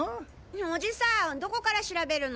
おじさんどこから調べるの？